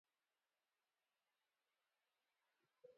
Azken horiek negoziatzeari uko egin diote.